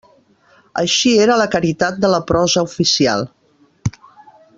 Així era la caritat de la prosa oficial.